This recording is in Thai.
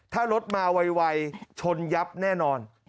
ถ้ารถมาไวชนยับแน่นอน